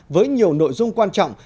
với nhiều nội dung quan trọng